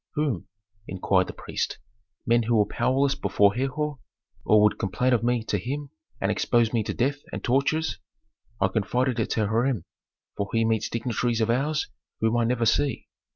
"Whom?" inquired the priest. "Men who were powerless before Herhor; or who would complain of me to him and expose me to death and tortures? I confided it to Hiram, for he meets dignitaries of ours whom I never see."